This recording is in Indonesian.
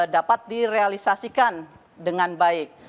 dapat direalisasikan dengan baik